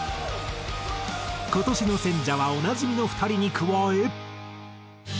今年の選者はおなじみの２人に加え。